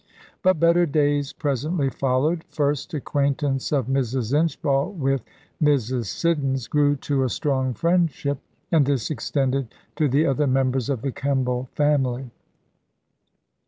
But better days presently followed; first acquaintance of Mrs. Inchbald with Mrs. Siddons grew to a strong friendship, and this extended to the other members of the Kemble family.